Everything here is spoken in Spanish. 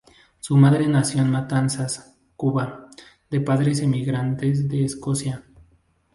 Su madre nació en Matanzas, Cuba, de padres emigrantes de Escocia.